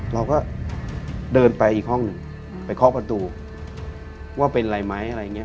เราก็เดินไปอีกห้องหนึ่งไปเคาะประตูว่าเป็นอะไรไหมอะไรอย่างนี้